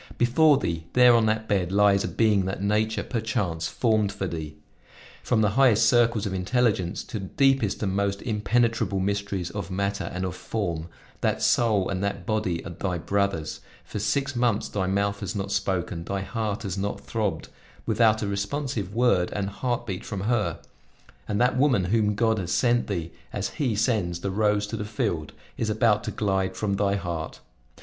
Before thee, there on that bed, lies a being that nature, perchance, formed for thee. From the highest circles of intelligence to the deepest and most impenetrable mysteries of matter and of form, that soul and that body are thy brothers; for six months thy mouth has not spoken, thy heart has not throbbed, without a responsive word and heart beat from her; and that woman whom God has sent thee as He sends the rose to the field, is about to glide from thy heart.